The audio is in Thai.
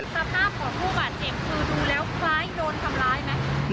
สภาพของผู้บาดเจ็บคือดูแล้วคล้ายโดนทำร้ายไหม